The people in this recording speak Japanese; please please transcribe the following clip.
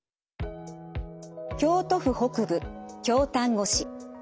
京都府北部京丹後市。